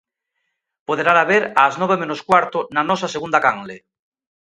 Poderana ver ás nove menos cuarto na nosa segunda canle.